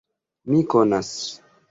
Mi konas.